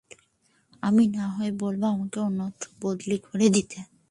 আমি না হয় বলবো আমাকে অন্যত্র বদলি করে দিতে।